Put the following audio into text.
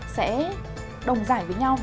sẽ đồng giải với nhau